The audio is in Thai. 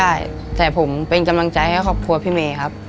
ไม่ค่อยได้แต่ผมเป็นกำลังใจให้ขอบคุณพี่เมย์ครับ